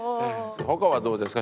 他はどうですか？